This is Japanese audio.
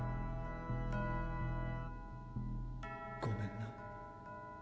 ごめんな。